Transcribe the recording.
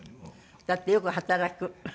だってよく働く。